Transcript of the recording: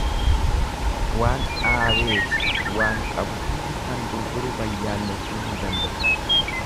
Waan dhaabeefi waan qabu hunda kan gurguru bayyanachuu hin danda'u.